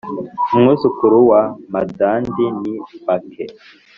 umwuzukuru wa madandi ni bake